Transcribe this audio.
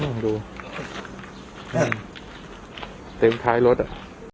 ห้มดูเต็มคล้ายรถอะ